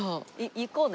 行こうね。